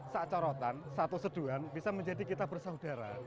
saat corotan satu seduan bisa menjadi kita bersaudara